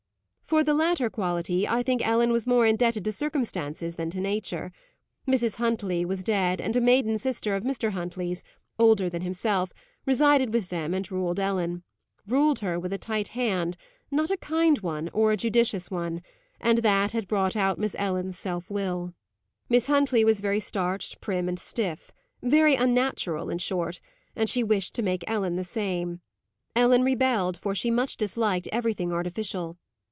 For the latter quality I think Ellen was more indebted to circumstances than to Nature. Mrs. Huntley was dead, and a maiden sister of Mr. Huntley's, older than himself, resided with them and ruled Ellen; ruled her with a tight hand; not a kind one, or a judicious one; and that had brought out Miss Ellen's self will. Miss Huntley was very starched, prim, and stiff very unnatural, in short and she wished to make Ellen the same. Ellen rebelled, for she much disliked everything artificial.